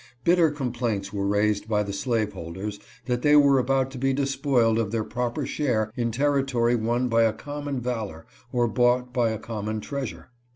Bitter com plaints were raised by the slaveholders that they were about to be despoiled of their proper share in territory won by a common valor or bought by a common treasure.